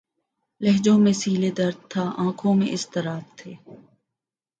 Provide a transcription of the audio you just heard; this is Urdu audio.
لہجوں میں سیلِ درد تھا‘ آنکھوں میں اضطراب تھے